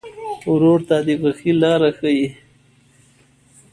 ورور ته د خوښۍ لاره ښيي.